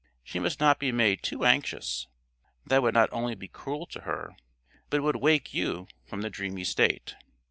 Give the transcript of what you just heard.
She must not be made too anxious. That would not only be cruel to her, but it would wake you from the dreamy state.